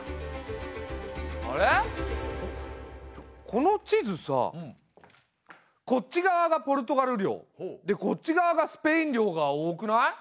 この地図さあこっち側がポルトガル領でこっち側がスペイン領が多くない？